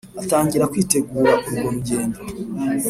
atangira kwitegura urwo rugendo.